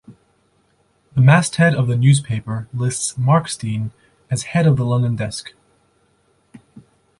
The masthead of the newspaper lists Markstein as head of the London desk.